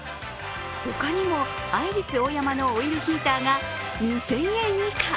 他にもアイリスオーヤマのオイルヒーターが２０００円以下。